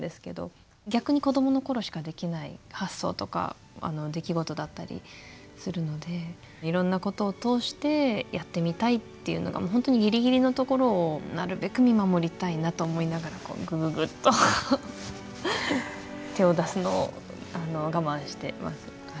逆に子どもの頃しかできない発想とか出来事だったりするのでいろんなことを通してやってみたいっていうのが本当にギリギリのところをなるべく見守りたいなと思いながらこうグググッと手を出すのを我慢してます。